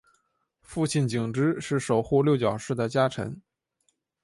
父亲景之是守护六角氏的家臣。